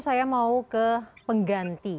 saya mau ke pengganti